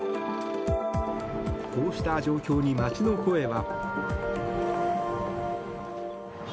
こうした状況に街の声は。